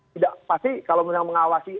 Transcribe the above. tidak pasti kalau memang mengawasi